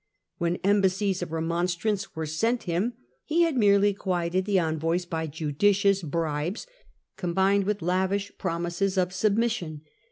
When embassies of remonstrance were sent him, he had merely quieted the envoys by judicious bribes combined with lavish promises of submission.